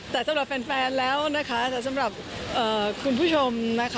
แต่สำหรับแฟนแล้วนะคะแต่สำหรับคุณผู้ชมนะคะ